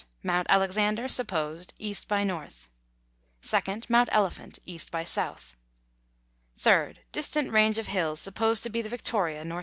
Mount Alexander (supposed), E. by N. 2nd. Mount Elephant, E. by S. 3rd. Distant range of hills, supposed to be the Victoria, N.W.